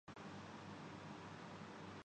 اس کے ساتھ یہ